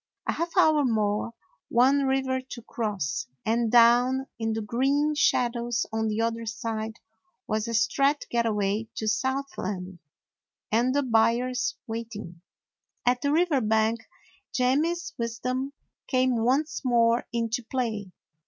A half hour more, one river to cross, and down in the green shadows on the other side was a straight get away to Southland; and the buyers waiting. At the river bank Jemmy's wisdom came once more into play.